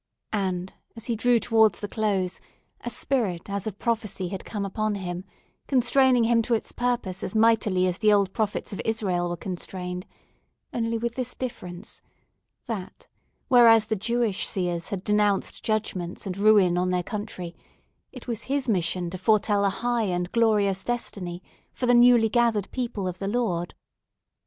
And, as he drew towards the close, a spirit as of prophecy had come upon him, constraining him to its purpose as mightily as the old prophets of Israel were constrained, only with this difference, that, whereas the Jewish seers had denounced judgments and ruin on their country, it was his mission to foretell a high and glorious destiny for the newly gathered people of the Lord.